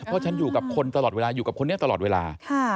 เพราะฉันอยู่กับคนตลอดเวลาอยู่กับคนนี้ตลอดเวลา